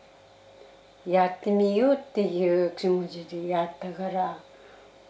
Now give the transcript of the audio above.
やってみようっていう気持ちでやったから。